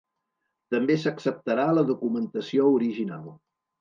També s'acceptarà la documentació original.